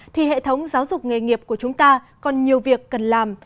thì hệ thống giáo dục nghề nghiệp của chúng ta còn nhiều việc cần làm